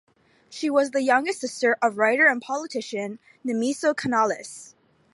She was the younger sister of writer and politician Nemesio Canales.